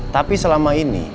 tapi selama ini